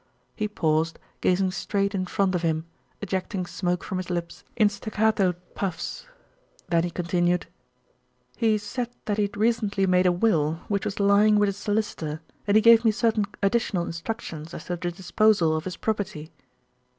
He paused, gazing straight in front of him, ejecting smoke from his lips in staccatoed puffs. Then he continued: "He said that he had recently made a will, which was lying with his solicitor, and he gave me certain additional instructions as to the disposal of his property."